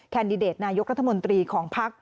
แคนดิเดตนายกรัฐมนตรีของพัก